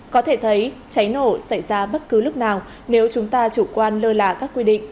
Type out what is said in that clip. có thể thấy cháy nổ xảy ra bất cứ lúc nào nếu chúng ta chủ quan lơ là các quy định